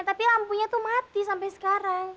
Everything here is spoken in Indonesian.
tapi lampunya tuh mati sampai sekarang